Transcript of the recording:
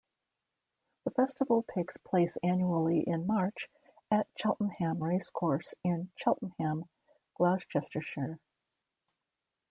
The festival takes place annually in March at Cheltenham Racecourse in Cheltenham, Gloucestershire.